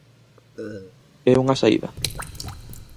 É unha saída?